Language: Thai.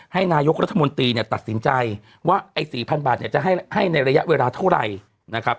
ให้นายกรัฐมนตรีเนี่ยตัดสินใจว่าไอ้๔๐๐บาทเนี่ยจะให้ในระยะเวลาเท่าไหร่นะครับ